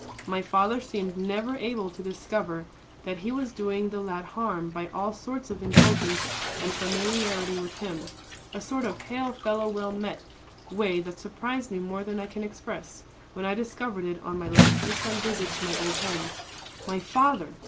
"My father seemed never able to discover that he was doing the lad harm by all sorts of indulgence and familiarity with him, a sort of hail fellow well met way that surprised me more than I can express, when I discovered it on my last return visit to my old home. My father!